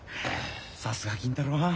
さすが金太郎はん。